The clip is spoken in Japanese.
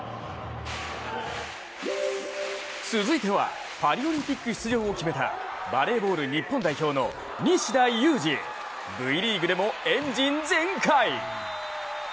続いてはパリオリンピック出場を決めたバレーボール日本代表の西田有志Ｖリーグでもエンジン全開！